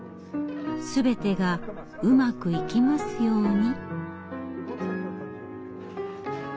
全てがうまくいきますように。